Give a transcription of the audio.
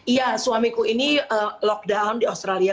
iya suamiku ini lockdown di australia